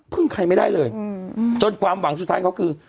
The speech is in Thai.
ใครไม่ได้เลยจนความหวังสุดท้ายเขาคือ